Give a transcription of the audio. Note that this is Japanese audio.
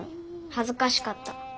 はずかしかった。